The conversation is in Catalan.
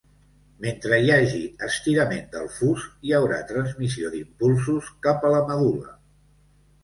Mentre hi hagi estirament del fus, hi haurà transmissió d'impulsos cap a la medul·la.